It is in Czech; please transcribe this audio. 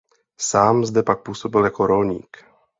Sám zde pak působil jako rolník.